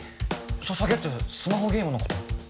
ソシャゲってスマホゲームのこと？